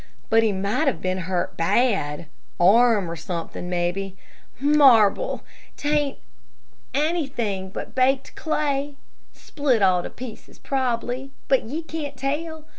But he might have been hurt bad, arm or suthin', mebbe. Marble! 'T ain't anythin' but baked clay; split all to pieces prob'ly but ye can't tell.